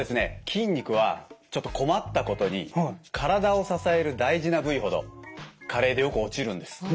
筋肉はちょっと困ったことに体を支える大事な部位ほど加齢でよく落ちるんです。